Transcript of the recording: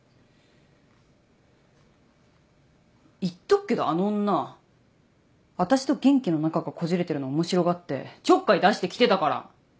言っとくけどあの女私と元気の仲がこじれてるの面白がってちょっかい出してきてたから！